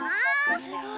すごい。